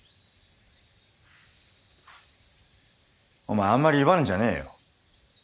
お前あんまり威張るんじゃねえよ。